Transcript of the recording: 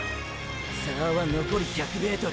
差はのこり１００ｍ。